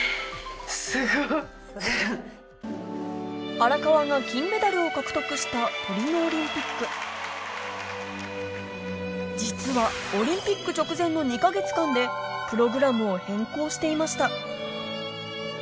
荒川が金メダルを獲得したトリノオリンピック実はオリンピック直前の２か月間ででもやっぱり。